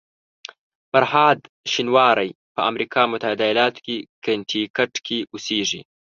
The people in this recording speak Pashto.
فرهاد شینواری په امریکا متحده ایالاتو کنیټیکټ کې اوسېږي.